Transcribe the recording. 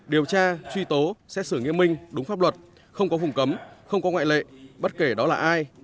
điều tra truy tố xét xử nghiêm minh đúng pháp luật không có vùng cấm không có ngoại lệ bất kể đó là ai